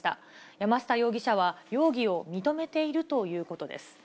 山下容疑者は容疑を認めているということです。